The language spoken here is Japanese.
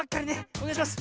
おねがいします。